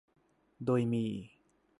โดยมี